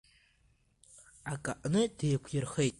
Ак аҟны деиқәирхеит.